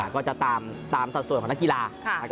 ก็จะตามสัดส่วนของนักกีฬา